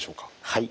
はい。